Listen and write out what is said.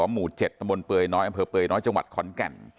หมู่๗ตำบลเปยน้อยอำเภอเปยน้อยจังหวัดขอนแก่น